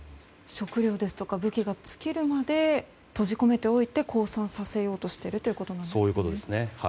食料ですとか武器が尽きるまで閉じ込めておいて降参させようとしているということなんですね。